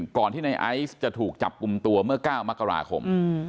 ก่อนที่ในไอซ์จะถูกจับกลุ่มตัวเมื่อ๙มกราคม